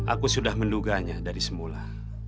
aku sudah menduganya dari semula